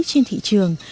trên thị trường